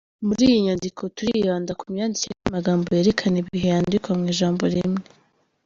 Muri iyi nyandiko turibanda ku myandikire y’amagambo yerekana ibihe yandikwa mu ijambo rimwe.